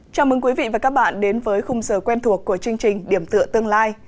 chào mừng quý vị và các bạn đến với khung giờ quen thuộc của chương trình điểm tựa tương lai